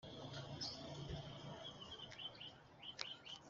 n'indorerwamo irashobora guhishurwa.